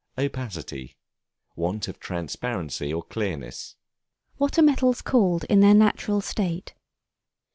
Opacity, want of transparency or clearness. What are Metals called in their natural state?